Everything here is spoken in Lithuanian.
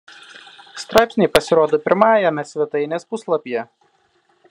Straipsniai pasirodo pirmajame svetainės puslapyje.